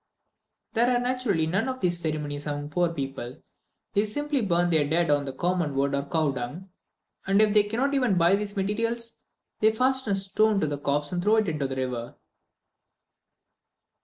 There are naturally none of these ceremonies among poor people. They simply burn their dead on common wood or cow dung; and if they cannot even buy these materials, they fasten a stone to the corpse and throw it into the river.